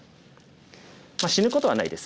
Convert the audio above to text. まあ死ぬことはないです。